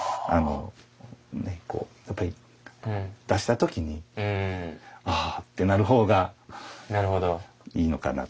やっぱり出した時に「ああ！」ってなる方がいいのかなと。